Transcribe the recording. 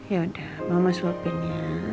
yaudah mama suapin ya